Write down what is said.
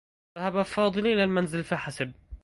ذهب فاضل إلى المنزل فحسب.